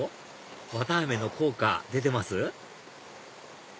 綿あめの効果出てます？